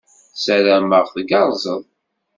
Ssarameɣ tgerrzed.